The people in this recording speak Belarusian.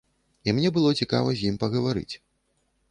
І мне было цікава з ім пагаварыць.